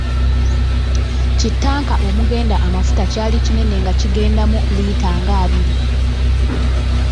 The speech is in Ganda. Kittanka omugenda amafuta kyali kinene nga kigendamu liita nga abiri.